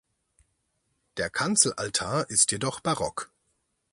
Der Kanzelaltar ist jedoch barock.